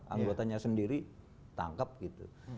anggotanya sendiri tangkap gitu